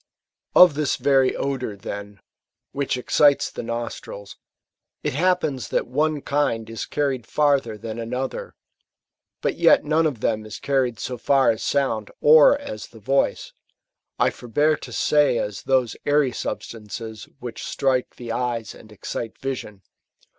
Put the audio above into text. Of this very odour, then, which excites the nostrils, it hap pens that one kifid is carried farther than another ; but yet none of them is carried so far as sound, or as the voice; — I forbear to say as those airy substances which strike the eyes, and excite vision.